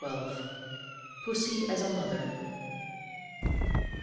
_] PUSSY AS A MOTHER.